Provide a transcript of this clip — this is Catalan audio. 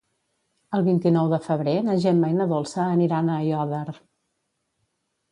El vint-i-nou de febrer na Gemma i na Dolça aniran a Aiòder.